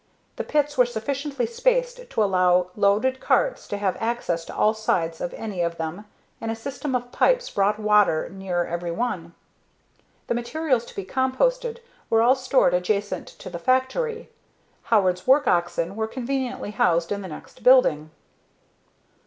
The pits were sufficiently spaced to allow loaded carts to have access to all sides of any of them and a system of pipes brought water near every one. The materials to be composted were all stored adjacent to the factory. Howard's work oxen were conveniently housed in the next building.